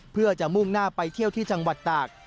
เพื่อจะมุ่งหน้าไปเที่ยวที่จังหวัดตาก